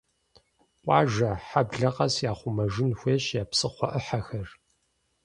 Къуажэ, хьэблэ къэс яхъумэжын хуейщ я псыхъуэ Ӏыхьэхэр.